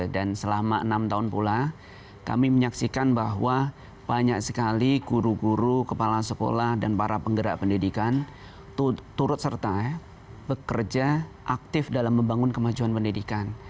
dan selama enam tahun pula kami menyaksikan bahwa banyak sekali guru guru kepala sekolah dan para penggerak pendidikan turut serta bekerja aktif dalam membangun kemajuan pendidikan